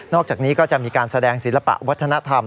อกจากนี้ก็จะมีการแสดงศิลปะวัฒนธรรม